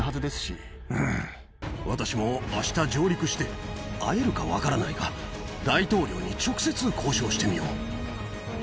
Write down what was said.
私もあした上陸して、会えるか分からないが、大統領に直接交渉してみよう。